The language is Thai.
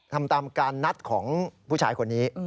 ทำตามการนัดของผู้ชายคนนี้